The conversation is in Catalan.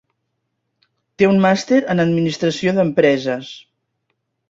Té un màster en Administració d'Empreses.